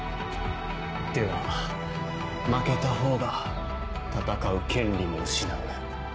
⁉では負けたほうが戦う権利も失う。